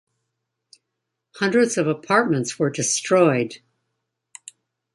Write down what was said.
Hundreds of apartments were destroyed.